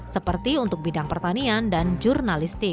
seperti untuk bidang pertanian dan jurnalistik